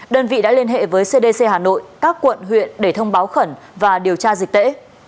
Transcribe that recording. đơn vị đã liên hệ với cdc hà nội các quận huyện để thông báo khẩn và điều tra dịch tễ